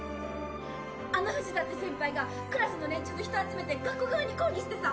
・あの藤田って先輩がクラスの連中と人集めて学校側に抗議してさ。